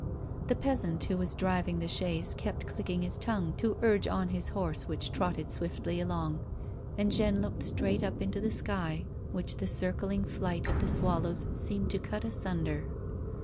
The peasant who was driving the chaise kept clicking his tongue to urge on his horse which trotted swiftly along, and Jeanne looked straight up into the sky which the circling flight of the swallows seemed to cut asunder.